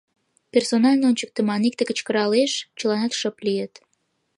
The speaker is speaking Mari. — Персонально ончыктыман! — икте кычкыралеш, чыланат шып лийыт.